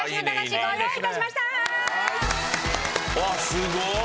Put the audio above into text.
すごーい！